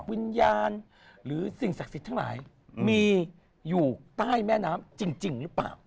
วิญญาณหรือสิ่งศักดิ์สิทธิ์ทั้งหลายมีอยู่ใต้แม่น้ำจริงหรือเปล่า